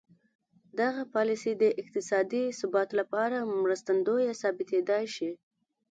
دغه پالیسي د اقتصادي ثبات لپاره مرستندویه ثابتېدای شي.